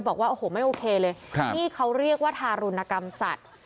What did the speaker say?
บอกว่าโอ้โหไม่โอเคเลยนี่เขาเรียกว่าทารุณกรรมสัตว์